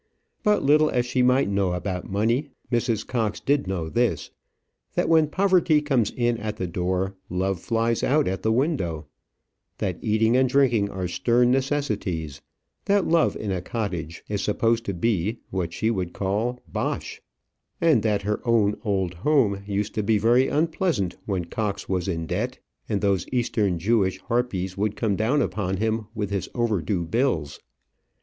But little as she might know about money, Mrs. Cox did know this that when poverty comes in at the door, love flies out at the window; that eating and drinking are stern necessities; that love in a cottage is supposed to be, what she would call, bosh; and that her own old home used to be very unpleasant when Cox was in debt, and those eastern Jewish harpies would come down upon him with his overdue bills.